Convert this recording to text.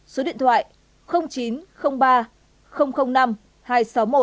số điện thoại chín trăm linh ba